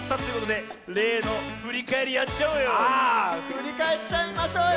ふりかえっちゃいましょうよ！